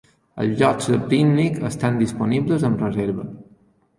Els llocs de pícnic estan disponibles amb reserva.